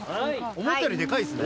思ったよりデカいですね。